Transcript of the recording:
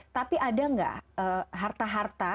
tapi ada nggak harta harta